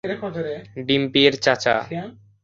ডিম্পি এর চাচা।